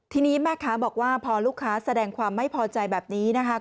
ทีนี้แม่ค้าบอกว่าพอลูกค้าแสดงความไม่พอใจแบบนี้นะคะ